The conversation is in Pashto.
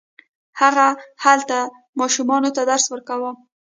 هغه هلته ماشومانو ته درس ورکاوه.